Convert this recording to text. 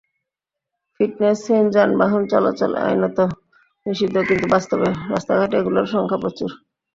ফিটনেসহীন যানবাহন চলাচল আইনত নিষিদ্ধ, কিন্তু বাস্তবে রাস্তাঘাটে এগুলোর সংখ্যা প্রচুর।